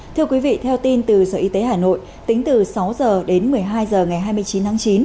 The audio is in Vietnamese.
thưa quý vị theo tin từ sở y tế hà nội tính từ sáu h đến một mươi hai h ngày hai mươi chín tháng chín